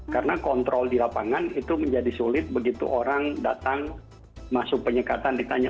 karena kontrol di lapangan itu menjadi sulit begitu orang datang masuk penyekatan ditanya